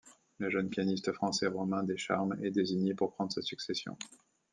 Le jeune pianiste français Romain Descharmes est désigné pour prendre sa succession.